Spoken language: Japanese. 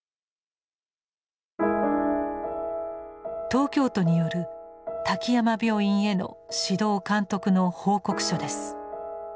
東京都による滝山病院への指導監督の報告書です。